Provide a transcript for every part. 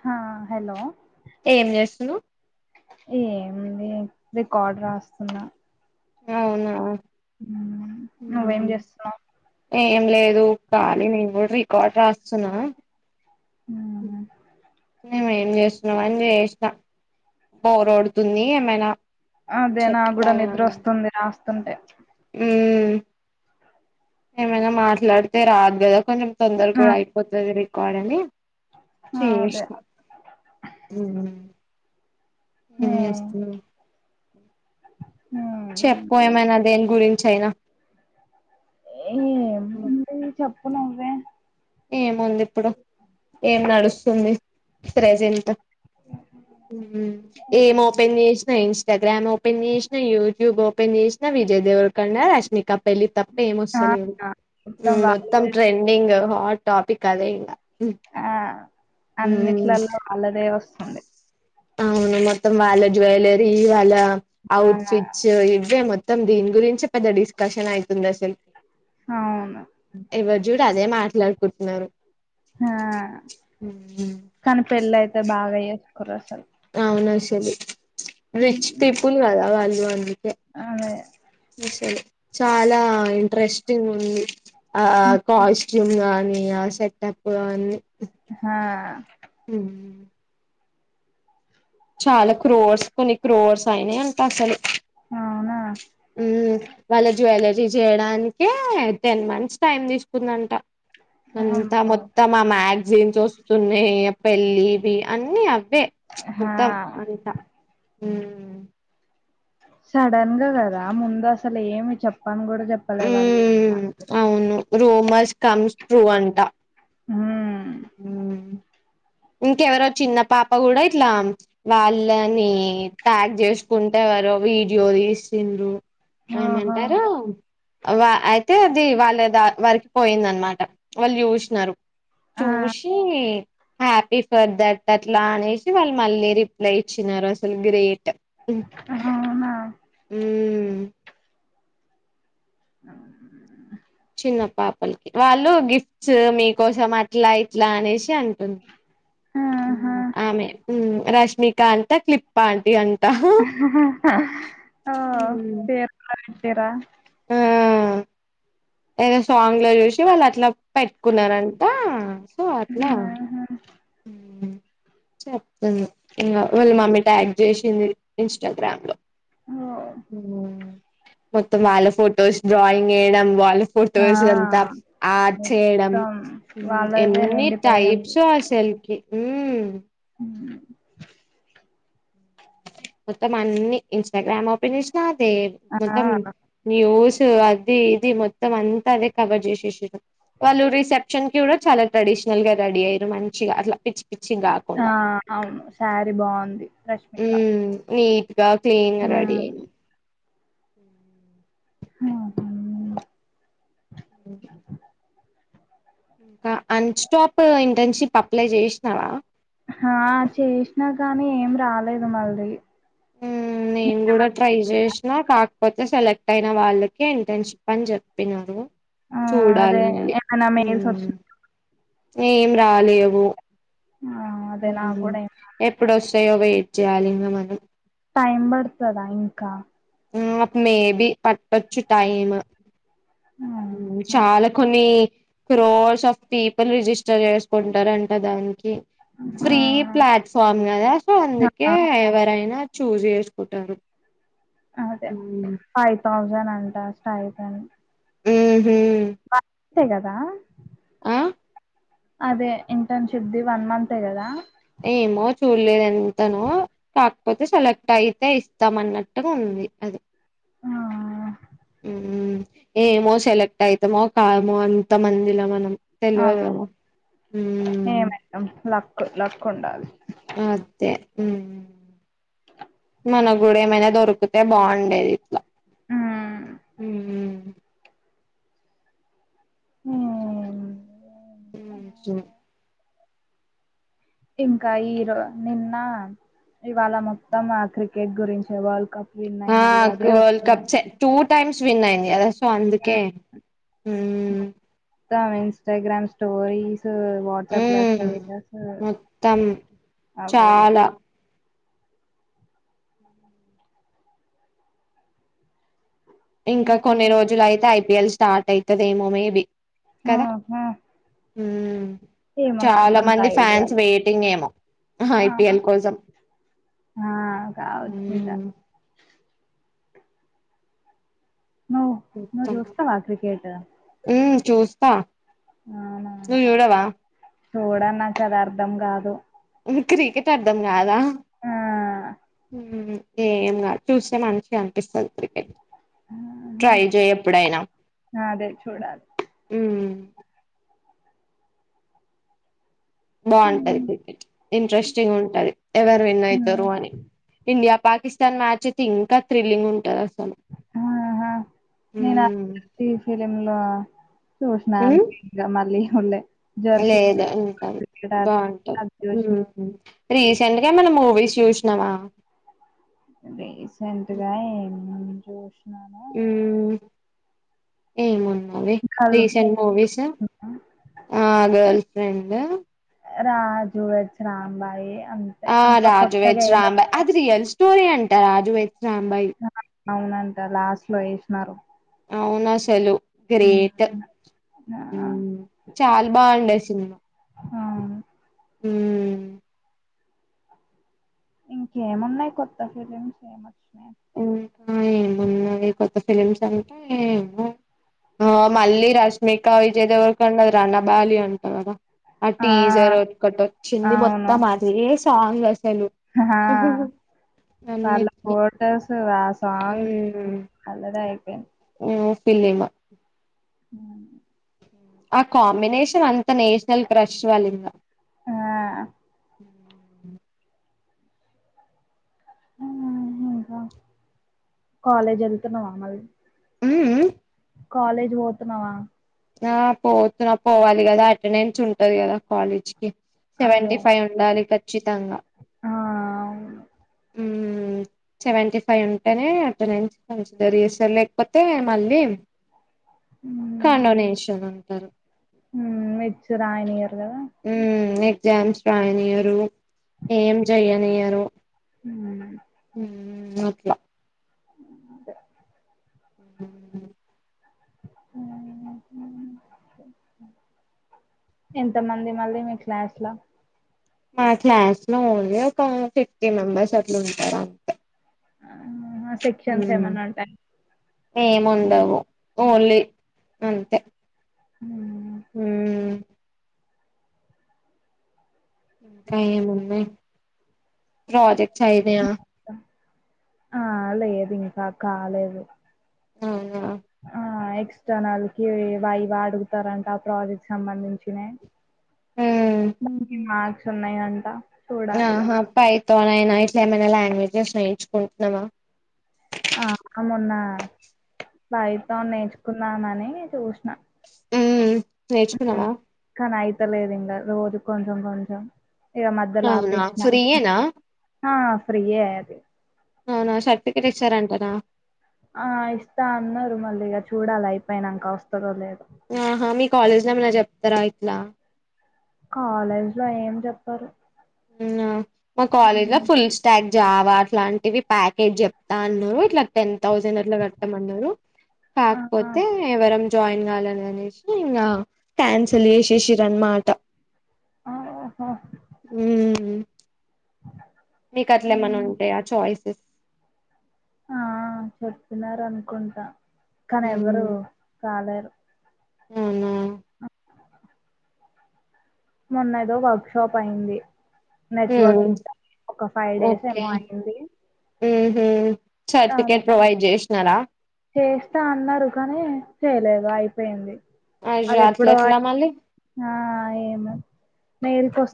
హా హలో ఏం చేస్తున్నావ్ ఏముంది రికార్డు రాస్తున్నా అవునా నువ్వేం చేస్తున్నావ్ ఏం లేదు కాలీ నేను కూడా రికార్డ్ రాస్తున్నా నువ్వు ఏం చేస్తున్నాం అని చేసిన బోర్ కోడుతుంది ఏమైన అదే నా కూడ నిద్ర వస్తుంది రాస్తుంటే ఉ ఏమైనా మాట్లాడితే రాదు కదా కొంచెం తొందరగా కూడ ఆ అయిపోతుది రికార్డు అని అదే చేష్ణ [inaudible] ఏం చేస్తున్నావ్ చెప్పు ఏమైన దేని గురించి అయినా ఏ చెప్పు నువ్వే ఏముంది ఇప్పుడు ఏం నడుస్తుంది ప్రెజెంట్ [inaudible] ఏం ఓపెన్ చేసిన ఇన్ న్స్టాగ్రామ్ ఓపెన్ చేసిన యూట్యూబ్ ఓపెన్ చేసిన విజయ దేవరాకొండ రష్మిక పెళ్ళి తప్ప ఏం ఆ వస్తుందిలే మొత్తం ట్రెండింగ్ హాట్ టాపక్ అదే ఇంక ఆ అన్నిట్లలో వాళ్లదే వస్తుంది అవును మొత్తం వాళ్ళ జ్యువెలరీ వాళ్ళ ఆ ఔట్ ఫిట్స్ ఇవే మొత్తం మొత్తం దీని గురించి పెద్ద డిస్కషన్ అవుతుంది అసలు అవును చూడు అదే మాట్లాడుకుంటున్నారు ఆ ఉమ్, కానీ పెళ్ళి అయితే బాగా చేసుకుర్రు అవును అసలు రిచ్ పీపుల్ కదా వాళ్ళు అందుకే అదే అసలు చాలా ఇంట్రెస్టింగ్ ఉంది ఆ కాస్ట్యూమ్ కానీ ఆ సెట్అప్ కానీ హా ఉ చాలా క్రోర్స్ కొన్ని క్రోర్స్ అయినాయి అంట అసలు అవునా ఉ వాళ్ళ జ్యూవల ీ చేయడానికే టెన్ మంత్స్ టైమ్ తీసుకుందంట ఎంతా అమ్మో మొత్తం మే ఆక్ జీన్స్ వస్తున్నాయి పెళ్ళి ఇవి అన్నిీ అవే హా మత్తం అంతా సడన్ గా కదా ముందు అసలు ఏమి చెప్పను కూడా చెప్పలే వాళ్ళు అవును రోమర్స్ కమ్స్ ట్రూ అంట హ్మ్ అ ఇంకెవరో చిన్న పాప కూడా ఇట్లా వాళ్ళని ట్యాగ్ చేసుకుంటే ారు వీడియో తీసిండ్రు ఓహో ఏమంటారు వా అయితే అది వాళ్ళ ద వారికి పోయింద అనమాట వాళ్ళు చూసినారు ఆ చూషీ హ్యాపీ ఫర్ దట్ అట్లా అనేసి వాళ్ళు మళ్ళీ రిప్లై ఇచ్చినారు అసలు గ్రేట్ అవునా మ్మ్ ఆ చిన్న పాపలకి వాళ్ళు గిఫ్ట్స్ మీకోసం అట్లా ఇట్లా అనేసి అంటుంది ఆహా ఆమె రష్మికంత క్లిప్ప అంటీ అ ఆ పేరు ఇతరా ఆ ఏదో సాంగ్ లో చూసి వాళ్ళు అట్లా పెట్టుకున్నారంట సో అట్లా ఆహా చెప్ను ఇంకా వాళ్ళు మమ్మీ ట్యాగ్ చేసింది ఇన్స్టాగ్రామ్ లో ఓ మొత్తం వాళ్ళ ఫొటోస్ డ్రాయింగ్ వేయడం వాళ్ళు ఆ ఫొటోస్ అంతా ఆడ్ చేయడం మొత్తం వాళ్ళదే ఎన్ని నిండిపోయి ఉంది టైప్స్ ఆ సెల్ఫ ఉ హ్మ్ మొత్తం అన్ని ఇన్స్టాగ్రామ్ ఓపన్ చెసిన అద ఆ మొత్తం న్యూస్ అది ఇది మొత్తం అంతా అదే కవర్ చేసేసారు వాళ్ళు రిసెప్షన్ కి కూడా చాలా ట్రెడిషన్ ల్గా రెడీ అయ్య మంచిగా అట్లా పి ఆ అవును శారీ బాగుంది రష్మిక నీట్ గా క్లీన్ గా రెడీ అయింది ఆ ఉ ఇంకా అన్ స్టాప్ ఇంటర్న్షిప్ అప్లై చేసినవా ఆ చేసినా కానీ ఏం రాలేదు మళ్ళీ ఉమ్ నేను కూడా మీకేమన్ ట్రై చేసిన కాకపోతే సెలెక్ట్ అయిన వాళ్ళకి ఇంటర్న్షిప్ అని చెప్పినారు ఆ చూడాలి అదే మలి ఏమైనా మెయిల్స్ వచ్చినా ఏం రాలేవు ఆ అదే నాకు కూడా ఏం రాలే. ఎప్పుడుొస్తాయో వెయిట్ చేయాలిం మనం టైం పడుతదా ఇంకా ఆ అ మేబి పట్టొచ్చు టైమ్ ఆహా! చాలా కొన్ని క్రోర్స్ ఆఫ్ పీపుల్ రిజిస్టర్ చేసుకుంటారంట దానికి ఆ ఫ్రీ ప్లాట్ఫామ్ కదా సో అందుకే ఎవరైనా చూజ్ చేసుకుంటారు అదే మ్మ్ ఫైవ్ థౌజండ్ అంటా స్టయిట్ అని మ్మ్ హు అంతే కదా ఆ అదే ఇంటర్న్షిప్దిి వన్ మంతే కదా ఏమో చూడలేదు ఎంతనో కాకపోతే సెలెక్ట్ అయితే ఇస్తాం అన్నట్టు ఉంది ది అదే ఆ ఏమో సెలెక్ట్ అయితామో కామో అంత మందిలో మనం తెలవదు అవును ఏమో మ్మ్ ఏమైతాం లక్ లక్ ఉండాల దే ఉ మన గుడా ఏమైనా దొరికితే బాగుండేది ఇట్లా హ్మ్మ్ ఆ ఉహు ఇంకా ఈరో నిన్న ఇవాళ మొత్తం క్రికెట్ గురించే వరల్డ్ కప్ విన్ ఆ అయింది అదే వరల్డ్ కప్ వస్తున్నాయి టూ టైమ్స్ విన్ అయింది కద సో అందుకే హ్మ్మ్ త్త ఇంస్టాగ్రామ్ స్టోరీస్ వాట్సాప్లో ఉమ్ స్టేట్ స్ మొత్తం అవే చాలా ఇంకా కొన్ని రోజులు అయితే ఐపీఎల్ స్టార్ట్ అయితదేమో మేబీ హా హా హ్మ్మ్ చాలా మంది ఐడియా ఫ్యాన్స్ లేదు వెయిటింగ్ ఏమో ఆ ఐపిఎల్ కోసం ఆ కావచ్చు ఇంక నువ్వు నువ్వు చూస్తావా క్రికెట్ మ్మ్ చూస్తా నువ్వు చూడవా చూడ నాకు అది అర్ధం కాదు క్రికెట్ అర్థం కాదా ఆ ఏం కా చూస్తే మంచి అనిపిస్తుంది క్రికెట్ ఆహా ట్రై చేయి ఎప్పుడైనా అదే చూడాలి హ్మ్మ్ ఆ బాగుంటది ఇంట్రెస్టింగ్ ఉంటది ఎవరు విన్ అవుతారు ఉమ్. అని ఇండియా పాకిస్తాన్ మ్యాచ్ అయితే ఇంకా థ్రిల్లింగ్ ఉంటది అసలు ఆహా! నేను అ మ్మ్ ఫిలిమ్ లో చూసినను మళ్ళీ చూడలే. 'జెర్సీ' లేదా అంటారు క్రికెట్ ఆడతారు బాగుంటాది అది చూసినా. రీసెంట్ గా ఏమన్న మూవీస్ చూసినావ రీసెంట్గా ఏమన్న మూవీ చూసిన మ్మ్ ఏమో ఇంగ అవే 'గల్ఫ్' రీసెంట్ మూవీస్ చూసినా, ఆ girlfriend Raju weds Rambai అంతే. ఆ ఇంకా రాజు కొత్తగా వెడ్స్ రాంబాయ్ ఏమొచ్చినాయి అది రియల్ స్టోరీ అంట రాజు వెడ్స్ రాంబాయి ఆ! అవునంట లాస్ట్ లో వేసినారు అవునాసలు గ్రేట్ ఆ! చాలా బాండే ఆ మ్ ఇంకేమున్నాయి కొత్త ఫిలిమ్స్ ఏమొచ్చినాయి. ఇంకా ఏమున్నాయి కొత్త ఫలిమ్స్ అంటే ఏమో ఆ మళ్ళీ రష్మికా విజయ దేవరకొండ రనబాలి అం కదా ఆ టీజర్ ఒక్కటి వచ్చింది అవును. మొత్తం అది ఏ సాంగ్ తెలు ఉహుహు అన్నిటికి టర్స్ ఆ సాంగ్ అల్లదే అయిపోయింది. నో పిలీమా హ ఆ కాంబినేషన్ అంత నేషనల్ క్రష్ వాలింగ ఆ ఇంకా కాలేజ్ వెళ్తున్నావా మ ఉఉమ్ కాలజ్ పోతున్నావా ఆ పోతున్నా పోవాలి కదా అటెండెన్స్ ఉంటది కదా కాలేజ్ సేవంటి అదే ఫైవ్ ఉండాలి ఖచ్చితంగా ఆ అవును ఉమ్ సెవెంటీ ఫైవ్ ఉంటేనే అటు నైన్ జరిగిస్తారు లేకపోతే మళ్ళీ క్కన్నోనే మీషోనంటారు మిక్స్ రాయనియరు కదా ఉమ్ నీకి జామ్స్ రాయనియ్యరు, ఏం జేయ్యనియ్యరు హుమ్ మ్ నోకియా అదే అ ఎంత మంది మళ్ళీ మీ క్లాస్ లో మా క్లాస్ లో ఓన్లీ ఒక ఫిఫ్టీ మెంబెర్స్ అట్లు ఉంటారు అంతే. ఆ సెక్షన్స్ మ్మ్ ఏమన్నా ఉంటాయ్ ఏముండవు ఓన్లీ అంతే హ ఉమ్ ఇంకా ఏమున్నాయ్ ప్రాజెక్ట్స్ అయిపోయ ఆ లేదు ఇంకా కాలేదు. ఆ ఆ ఎక్స్టర్నల్ కి వైవ అడుగుతారంట ఆ ప్రాజెక్ట్ సంబంధించినే ఉమ్ మార్క్స్ ఉన్నాయి అంట. ఆహా పైతోనైనా, ఇట్లా ఏమైనా లాంగ్వేజెస్ నేర్చుకుంటుంన్నావా? ఆ మొన్న పైతాన్ నేర్చుకుందామని చూసా ఊ ఉ కానీ అయితలేదు ఇంకా రోజు కొంచెం కొంచెం ఇక మద్యల అవునా ఆపేసిన ఫ్రీయేనా ఆ ఫ్రీయే అది అవునా సర్టిఫికేట్ ఇచ్చారంటనా ఆ ఇస్తా అన్నారు మళ్ళీ ఇక చూడాలి అయిపోయినాంక వస్తందో లేద ఆహా మీ కాలేజ్ లేమన్నా చెప్తారా ఇట్లా కాలేజ్ లో ఏం చెప్పరు ఉన్న మా కాలేజ్ లో ఫుల్ స్టాగ్ జావా అట్లాంటివి ప్యాకేజ్ చెప్తాన్రు ఇట్లా థౌసండ్ అట్లా కట్టమన్నరు ఆ కాకపోతే ఎవరం జాయిన్ కాలేదని అనేసి ఇంకా క్యాన్సల్ చేసేసిరన్నమాట. ఆహోహ ఉమ్ మీకు అట్లా ఏమన్నా ఉమ్, ఉంటాయి ఆ చాయిసెస్ ఆ చెప్తున్నారు అనుకుంటా కానీ ఎవ్వరు ఉమ్ రాలేరు అవునా మొన్న ఏదో వర్క్ షాపు అయింది నెట్వర్క్ హ్మ్ ఒక ఫైవ్ డేస్ ఏమో అయింది ఉహ దాని చేస్తా అన్నారు కానీ చెయ్యలేదు అయిపోయింది అయ్యో అదెప్పుడో అట్లెట్ల అయి మళ్ళీ ఆ మెరికి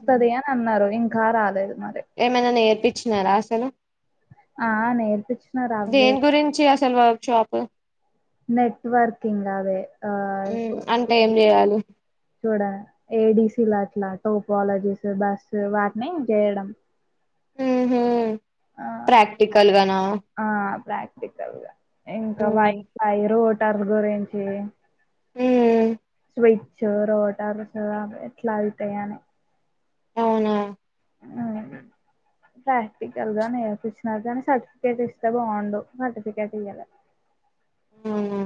హ్మ్. అని అన్నారు ఇంకా రాలేదు ఇక ఏమైనా నేర్పించినారా అసలు ఆ నేర్పిస్తున్నారు అవ్వే సల్వార్ షాపు నెట్వర్కింగ్ అదే ఆ హ్మ్. అంటే ఏం జేయాలి? చూడ ఏడసీ అట్లా తోబాలసిస్ బస్సు వాటిని చేయడం ఆ హు ప్రాక్టికల్గానా ప్రాక్టికల్ గా ఇంకా వైఫ్లై రోటర్ గురించి హ్మ్. స్విచ్ రోటర్స ఎట్లా అవుతాయనే అవునా ప్రాక్టికల్ గా నేర్పిించినారు కానీ సర్టిఫికేట్ ఇస్తే బాగుండు సర్టిఫికేట్ ఇయ్యాలే అవునా!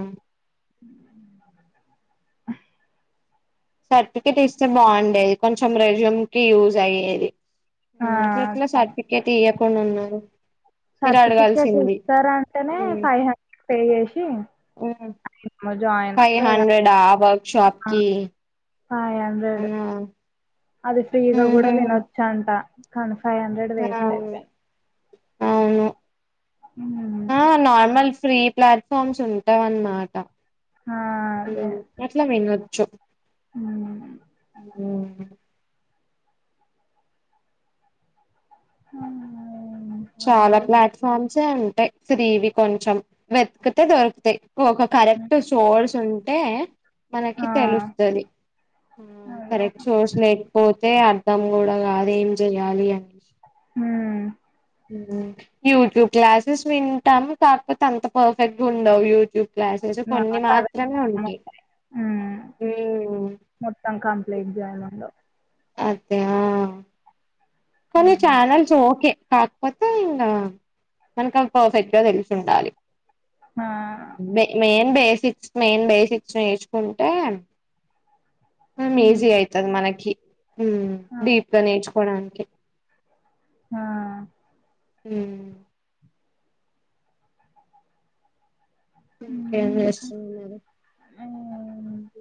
ఉ సర్టిఫికెట్ ఇస్తే బాగుండేది కొంచెం రెజ్యూమ్ కి యూజ్ అయ్యేది ఆ ఉ అట్లా అట్లా సర్టిఫికేట్ ఇయకుండా ఉన్నారు మీరు సర్టిఫికెట్ అడగాల్సింది. ఇస్తారంటేనే హ్మ్. ఫైవ్ హండ్రెడ్ పే చేసి జాయిన్ ఫైవ్ లేదా హండ్రెడ్ ఆ వర్క్ షాప్ కి ఫయ్ హండ్రెడ్ అవునా అది ఫ్రీగా కూడా ఉహు వినొచ్చ అంట కానీ ఫైవ్ హండ్రెడ్ వేస్ట్ అవును అయిపాయే అవును ఆ ఉ నార్మల్ ఫ్రీ ప్లాట్ఫామ్స్ ఉంటావు అన్నమాట ఆ అదే అట్లా వినొచ్చు ఉ హు అవునా చాలా ప్లాట్ఫామ్సే ఉంటాయి ఫ్రీవి కొంచెం వెతుకితే దొరుకుతాయి ఒక కరెక్ట్ సోడ్స్ ఉంటే మనకి ఆ తెలుస్తుంది కరెక్ట్ స్టోర్స్ లేకపోతే దేం అద యూట్యూబ్ క్లాసెస్ వింటాము కాకపోతే అంత పర్ఫెక్ట్ గా ఉండవు యూట్యూబ్ క్లాసెస్ కొన్ని మాత్రమే ఉంటాయి ఉ ఉమ్ మొత్తం కంప్లీట్ చేయాలి మొత్తం అంతే ఆ కొన్ని హ్మ్. చానల్స్ ఓకే కాకపోతే ఇంకా మనకి పర్ఫెక్ట్ గదే తెలిసి ఉండాలి ఆ! ఇదే మెయిన్ బేసిక్స్ మెయిన్ బేసిక్స్ నేర్చుకుంటే మొత్తం ఈజీ హ్మ్. అవుతుది మనకి అవును. డీప్ గా నేర్చుకోడానికి ఆ ఉ ఇంకా ఏం హ్మ్. చేస్తుంది మరి ఏంటి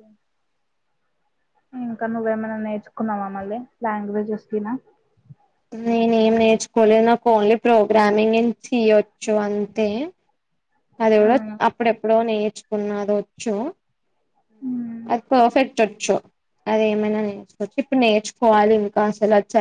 ఇంకా నువ్వేమైనా నేర్చుకున్నావా మళ్ళీ లాంగ్వేజ్స్ కిన నేనే ఏం నేర్చుకోలేదు నాకు ఓన్లీ ప్రోగ్రామింగ్ ఏం చెయ్యొచ్చు అంతే అది ఆ! కూడా అప్పుడెప్పుడో నేర్చుకున్న అది వచ్చు హ్మ్. అట్ట సెట్ అదేమైనా నేర్చుకోవచ్చు ఇప్పుడు నేర్చుకోవాలి ఇంకా అసలు